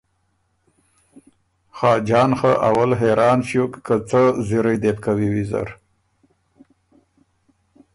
خاجان خه اول حېران ݭیوک که څۀ زِرئ دې بو کوی ویزر،